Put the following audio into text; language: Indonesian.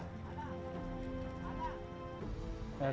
kepada pemerintah keberadaan dari pembakar listrik batubara